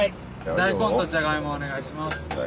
大根とじゃがいもお願いします。